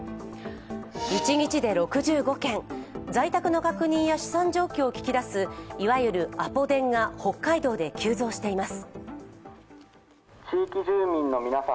一日で６５件、在宅の確認や資産状況を聞き出すいわゆるアポ電が北海道で急増しています。